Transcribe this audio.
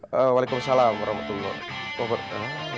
waalaikumsalam merhematullahi wabarakatuh